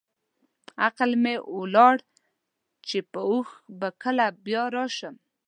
عقل مې ولاړ چې په هوښ به کله بیا راشم.